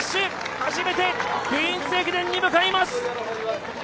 初めて「クイーンズ駅伝」に向かいます！